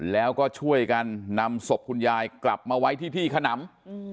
แล้วก็ช่วยกันนำศพคุณยายกลับมาไว้ที่ที่ขนำ